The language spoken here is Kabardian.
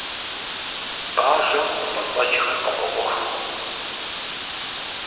Бажэм хъумпӀэцӀэджхэр къыфӀэӀуэхукъым.